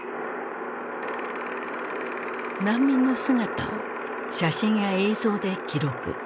難民の姿を写真や映像で記録。